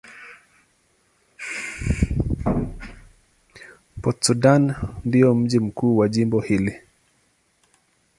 Port Sudan ndio mji mkuu wa jimbo hili.